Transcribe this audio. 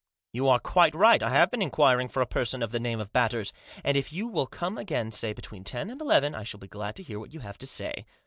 " You are quite right, I have been inquiring for a person of the name of Batters. And if you will come again, say, between ten and eleven, I shall be glad to hear what you have to say.